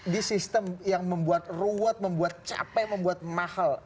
di sistem yang membuat ruwet membuat capek membuat mahal